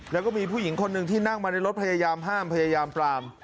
แล้วก็มีผู้หญิงคนหนึ่งที่นั่งมาในรถพยายามห้ามพยายามปราม